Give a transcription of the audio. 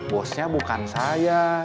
bosnya bukan saya